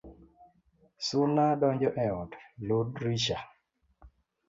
Suna donjo e ot , lor drisha